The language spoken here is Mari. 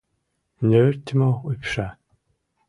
Нӧртымӧ, ӱпша.